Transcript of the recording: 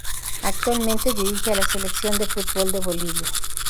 Actualmente dirige a la Selección de fútbol de Bolivia.